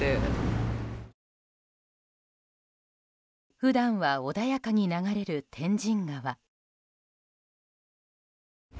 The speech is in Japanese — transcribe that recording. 普段は穏やかに流れる天神川。